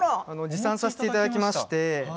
持参させていただきました。